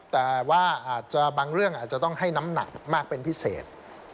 แต่ว่าอาจจะบางเรื่องอาจจะต้องให้น้ำหนักมากเป็นพิเศษ